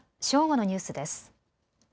正午のニュースです。